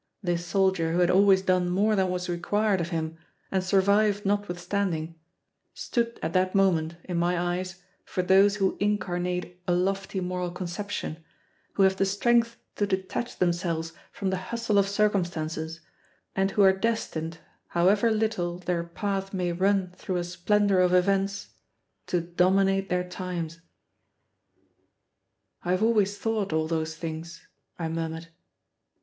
This soldier who had always done more than was required of him and survived notwithstanding, stood at that moment in my eyes for those who incarnate a lofty moral conception, who have the strength to detach themselves from the hustle of circumstances, and who are destined, however little their path may run through a splendor of events, to dominate their time. "I have always thought all those things," I murmured.